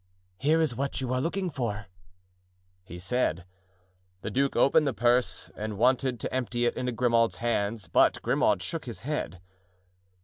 "Here is what you are looking for," he said. The duke opened the purse and wanted to empty it into Grimaud's hands, but Grimaud shook his head.